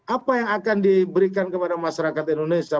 apa yang akan diberikan kepada masyarakat indonesia